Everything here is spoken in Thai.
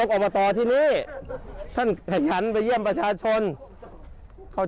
หลุมพี่คนเดียวนะครับ